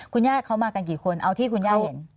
คุณย่าเขามากันกี่คนเอาที่คุณย่าเห็น